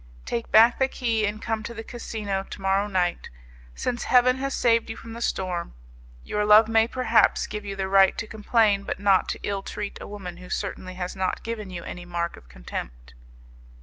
Take back the key and come to the casino to morrow night, since Heaven has saved you from the storm. Your love may, perhaps, give you the right to complain, but not to ill treat a woman who certainly has not given you any mark of contempt."